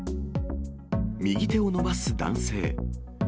右手を伸ばす男性。